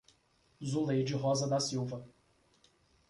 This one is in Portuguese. Zuleide Rosa da Silva